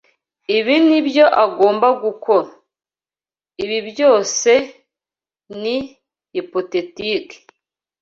Ibi nibyo agomba gukora. Ibi byose ni hypothettike.